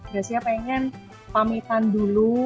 biasanya pengen pamitan dulu